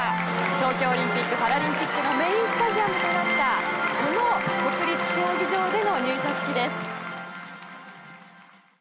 東京オリンピック・パラリンピックのメインスタジアムとなったこの国立競技場での入社式です。